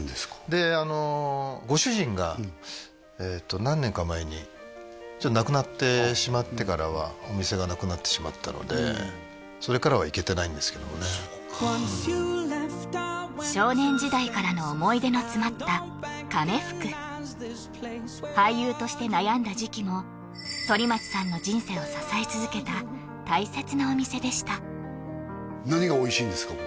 でご主人が何年か前に亡くなってしまってからはお店がなくなってしまったのでそれからは行けてないんですけどもね少年時代からの思い出の詰まったかめ福俳優として悩んだ時期も反町さんの人生を支え続けた大切なお店でした何がおいしいんですか？